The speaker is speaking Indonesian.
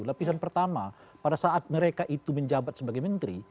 lapisan pertama pada saat mereka itu menjabat sebagai menteri